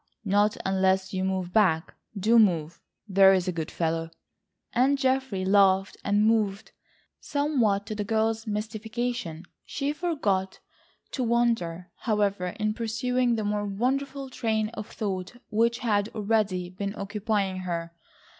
"Not unless you move back. Do move, there's a good fellow." And Geoffrey laughed and moved, somewhat to the girl's mystification. She forgot to wonder, however, in pursuing the more wonderful train of thought which had already been occupying her.